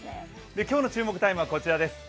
今日の注目タイムはこちらです。